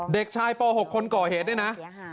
เด็กชายปหกคนก่อเหตุเนี่ยนะ